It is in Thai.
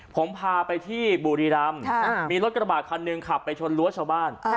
ผมพาไปที่บุรีรำมีรถกระบาดคันหนึ่งขับไปชนรั้วชาวบ้าน